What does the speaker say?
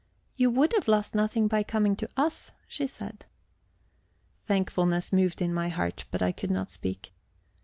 "You would have lost nothing by coming to us," she said. Thankfulness moved in my heart, but I could not speak.